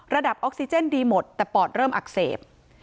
ออกซิเจนดีหมดแต่ปอดเริ่มอักเสบ